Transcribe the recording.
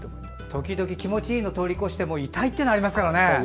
時々気持ちいいの通り越して痛いというのがありますからね。